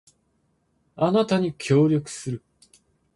あなたに協力する